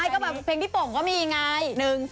คราวอักพรี้ย์